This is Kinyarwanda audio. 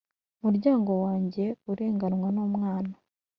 Muryango wanjye, urenganywa n’umwana,